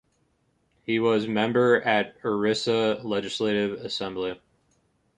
He was Member at Orissa Legislative Assembly.